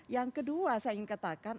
yang kedua saya ingin katakan